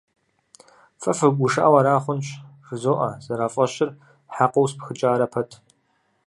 — Фэ фыгушыӀэу ара хъунщ? — жызоӀэ, зэрафӀэщыр хьэкъыу спхыкӀарэ пэт.